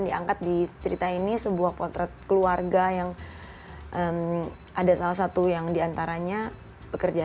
diangkat di cerita ini sebuah potret keluarga yang ada salah satu yang diantaranya bekerja